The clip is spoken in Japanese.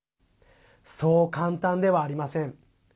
そう簡単ではありません。